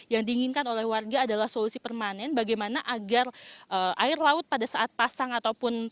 yang diinginkan oleh warga adalah solusi permanen bagaimana agar air laut pada saat pasang ataupun